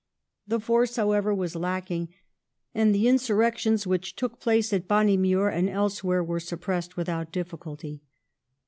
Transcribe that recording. The force, however, was lacking, and the "insurrections" which took place at Bonnymuir and else where were suppressed without difficulty.